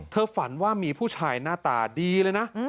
ฝันว่ามีผู้ชายหน้าตาดีเลยนะ